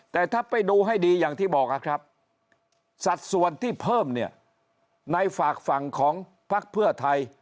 แต่ถ้าไปดูให้ดีอย่างที่บอกนะครับสัดส่วนที่เพิ่มเนี่ยในฝากฝั่งของพักเพื่อไทย